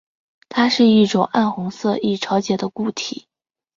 它是一种暗红色易潮解的固体。